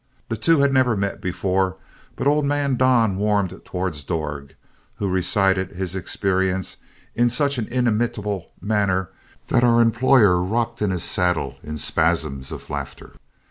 The two had never met before, but old man Don warmed towards Dorg, who recited his experience in such an inimitable manner that our employer rocked in his saddle in spasms of laughter.